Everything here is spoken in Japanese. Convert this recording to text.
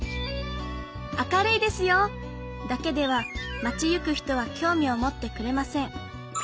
「明るいですよ」だけでは町行く人は興味を持ってくれません。